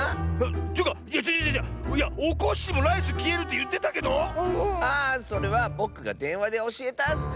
というかいやちがうちがうちがう！いやおこっしぃもライスきえるっていってたけど⁉あそれはぼくがでんわでおしえたッス！